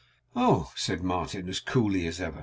'Oh!' said Martin, as coolly as ever.